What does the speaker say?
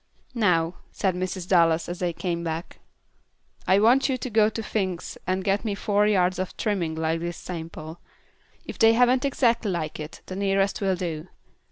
"Now," said Mrs. Dallas, as they came back, "I want you to go to Fink's and get me four yards of trimming like this sample; if they haven't exactly like it, the nearest will do.